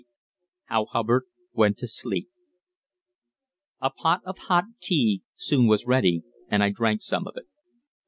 XX. HOW HUBBARD WENT TO SLEEP A pot of hot tea soon was ready, and I drank some of it.